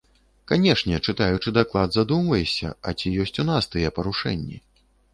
Канешне, чытаючы даклад, задумваешся, а ці ёсць у нас тыя парушэнні?